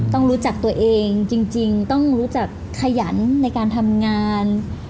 ต้องรู้จักตัวเองจริงต้องรู้จักขยันในการทำงาน